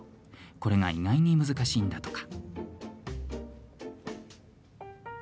これが意外に難しいんだとか。